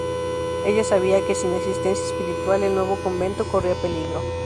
Ella sabía que sin asistencia espiritual, el nuevo convento corría peligro.